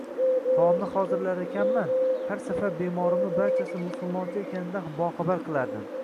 Taomni hozirlarkanman, har safar bemorimni barchasi musulmoncha ekanidan boxabar qilardim